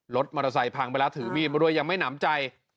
รถมอเตอร์ไซค์พังไปแล้วถือมีดมาด้วยยังไม่หนำใจ